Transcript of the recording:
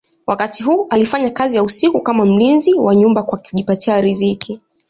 Wakati huu alifanya kazi ya usiku kama mlinzi wa nyumba kwa kujipatia riziki.